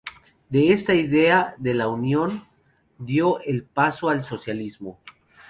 De esta idea de la "unión" dio el paso al socialismo.